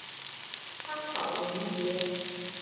参考连结